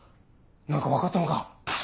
何か分かったのか？